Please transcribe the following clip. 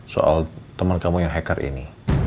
soal teman kamu yang hacker ini